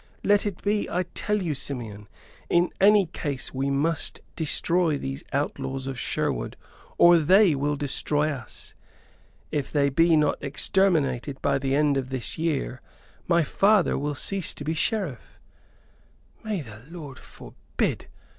"Let it be, I tell you, Simeon. In any case we must destroy these outlaws of Sherwood or they will destroy us. If they be not exterminated by the end of this year my father will cease to be Sheriff." "May the Lord forbid!"